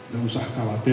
gak usah khawatir